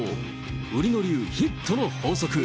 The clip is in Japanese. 売野流ヒットの法則。